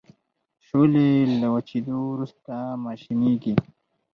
شولې له وچیدو وروسته ماشینیږي.